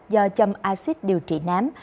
do châm axit điều trị nám